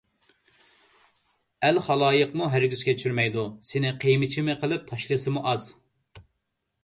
ئەل - خالايىقمۇ ھەرگىز كەچۈرمەيدۇ! سېنى قىيما - چىيما قىلىپ تاشلىسىمۇ ئاز!